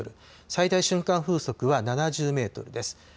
最大瞬間風速は７０メートルです。